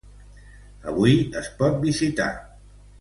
Avui es pot visitar.